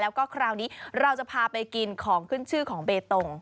แล้วก็คราวนี้เราจะพาไปกินของขึ้นชื่อของเบตง